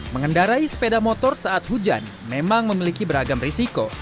mengendarai sepeda motor saat hujan memang memiliki beragam risiko